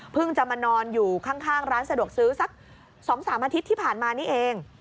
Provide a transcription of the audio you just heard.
จะมานอนอยู่ข้างร้านสะดวกซื้อสัก๒๓อาทิตย์ที่ผ่านมานี่เอง